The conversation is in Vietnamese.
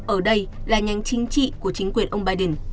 ở đây là nhánh chính trị của chính quyền ông biden